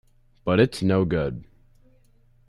But it's no good.